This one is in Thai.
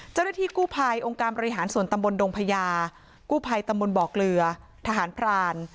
เจ้าหน้าที่กู้ภัยองค์การบริหารส่วนตำบลดงพญากู้ภัยตำบลบ่อเกลือทหารพราน